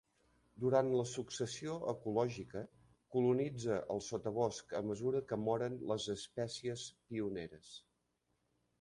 Durant la successió ecològica, colonitza el sotabosc a mesura que moren les espècies pioneres.